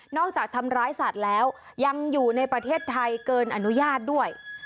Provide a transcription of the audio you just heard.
จากทำร้ายสัตว์แล้วยังอยู่ในประเทศไทยเกินอนุญาตด้วย